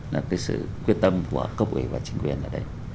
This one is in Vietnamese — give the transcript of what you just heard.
là cái sự quyết tâm của cấp ủy và chính quyền ở đây